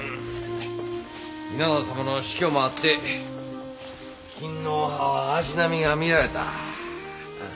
稲田様の死去もあって勤皇派は足並みが乱れた。